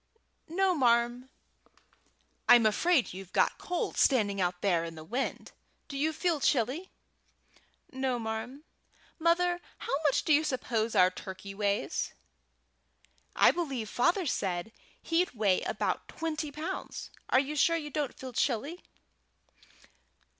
"No, marm." "I'm afraid you've got cold standing out there in the wind. Do you feel chilly?" "No, marm. Mother, how much do you suppose our turkey weighs?" "I believe father said he'd weigh about twenty pounds. You are sure you don't feel chilly?"